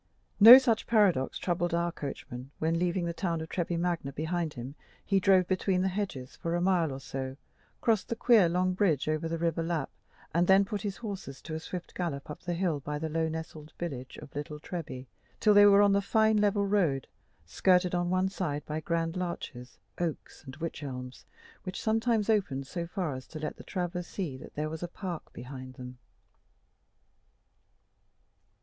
No such paradox troubled our coachman when, leaving the town of Treby Magna behind him, he drove between the hedges for a mile or so, crossed the queer long bridge over the river Lapp, and then put his horses to a swift gallop up the hill by the low nestled village of Little Treby, till they were on the fine level road, skirted on one side by grand larches, oaks, and wych elms, which sometimes opened so far as to let the traveller see that there was a park behind them.